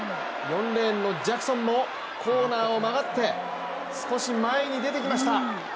４レーンのジャクソンもコーナーを曲がって少し前に出てきました。